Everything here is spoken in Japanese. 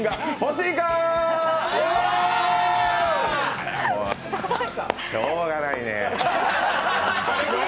しょうがないねえ。